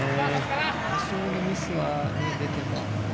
多少のミスは出ても。